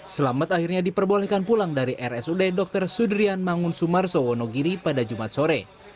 selamat akhirnya diperbolehkan pulang dari rsud dr sudrian mangun sumarso wonogiri pada jumat sore